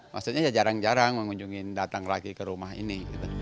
maksudnya ya jarang jarang mengunjungi datang lagi ke rumah ini